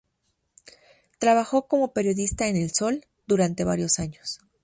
Trabajó como periodista en "El Sol" durante varios años.